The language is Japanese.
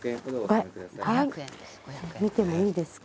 見てもいいですか？